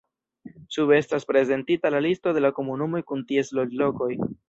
Sube estas prezentita la listo de la komunumoj kun ties loĝlokoj.